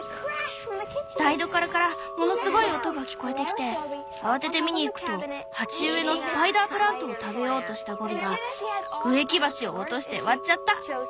台所からものすごい音が聞こえてきて慌てて見にいくと鉢植えのスパイダープラントを食べようとしたゴビが植木鉢を落として割っちゃった！